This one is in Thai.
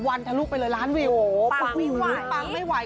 แล้วลูกไปเลยร้านวิวปางไม่ไหว